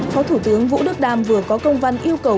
phó thủ tướng vũ đức đam vừa có công văn yêu cầu